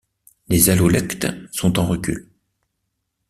Les allolectes sont en recul.